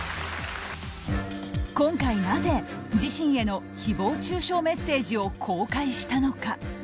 今回なぜ自身への誹謗中傷メッセージを公開したのか。